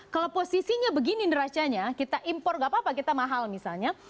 kalau posisinya begini neracanya kita impor gak apa apa kita mahal misalnya